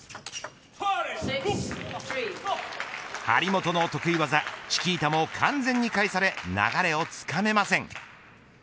張本の得意技チキータも完全に返され流れをつかめません。